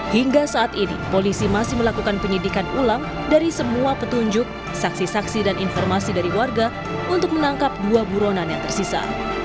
hingga saat ini polisi masih melakukan penyidikan ulang dari semua petunjuk saksi saksi dan informasi dari warga untuk menangkap dua buronan yang tersisa